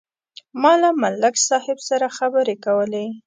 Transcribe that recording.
ما له ملک صاحب سره خبرې کولې.